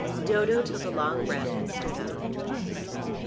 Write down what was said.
Dodo took a long breath and stood up.